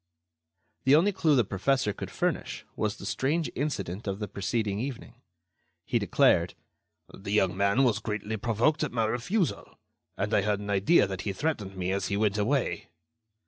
The only clue the professor could furnish was the strange incident of the preceding evening. He declared: "The young man was greatly provoked at my refusal, and I had an idea that he threatened me as he went away."